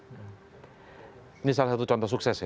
ini salah satu contoh sukses ya